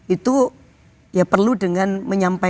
itu ya perlu dengan menjaga kekuatan